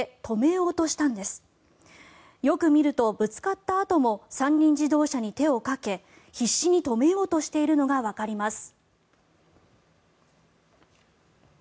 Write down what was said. よく見ると、ぶつかったあとも三輪自動車に手をかけ必死に止めようとしているのがわかります。